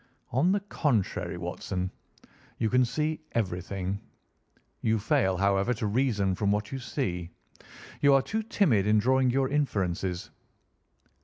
"On the contrary, Watson, you can see everything. You fail, however, to reason from what you see. You are too timid in drawing your inferences."